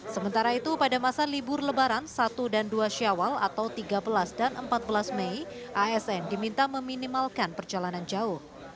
sementara itu pada masa libur lebaran satu dan dua syawal atau tiga belas dan empat belas mei asn diminta meminimalkan perjalanan jauh